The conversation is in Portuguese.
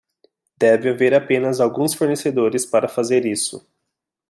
Deve haver apenas alguns fornecedores para fazer isso.